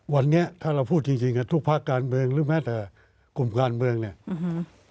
วันนี้ถ้าเราพูดจริงจริงอ่ะทุกภาคการเมืองหรือแม้แต่กลุ่มการเมืองเนี่ยอืม